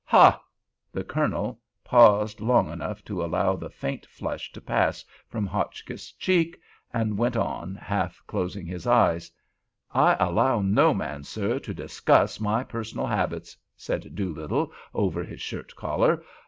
Ha!" The Colonel paused long enough to allow the faint flush to pass from Hotchkiss's cheek, and went on, half closing his eyes: "'I allow no man, sir, to discuss my personal habits,' said Doolittle, over his shirt collar.